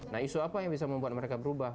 nah isu apa yang bisa membuat mereka berubah